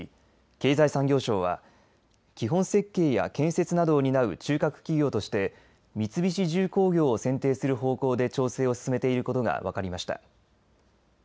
経済産業省は基本設計や建設などを担う中核企業として三菱重工業を選定する方向で調整を進めていることが分かりました。